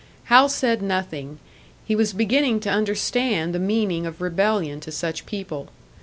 Hal said nothing he was beginning to understand the meaning of rebellion to such people.